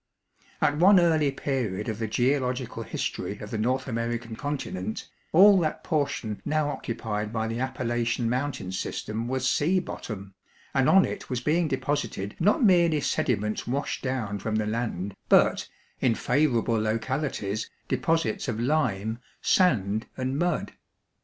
At one early period of the geological history of the North American continent, all that portion now occupied by the Appalachian mountain system was sea bottom, and on it was being deposited not merely sediments washed down from the land, but, in favorable localities, deposits of lime, sand, and mud.